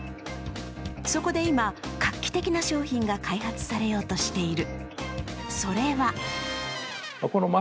そこで今、画期的な商品が開発されようとしている。